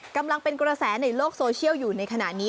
กำลังเป็นกระแสในโลกโซเชียลอยู่ในขณะนี้